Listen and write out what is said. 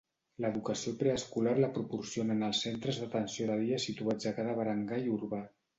L'educació preescolar la proporcionen els centres d'atenció de dia situats a cada barangay urbà.